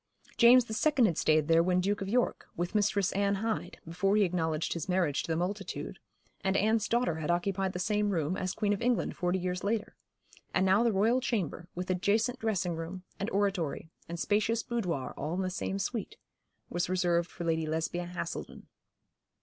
James the Second had stayed there when Duke of York, with Mistress Anne Hyde, before he acknowledged his marriage to the multitude; and Anne's daughter had occupied the same room as Queen of England forty years later; and now the Royal Chamber, with adjacent dressing room, and oratory, and spacious boudoir all in the same suite, was reserved for Lady Lesbia Haselden.